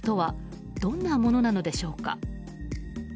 パーライトとはどんなものなのでしょうか。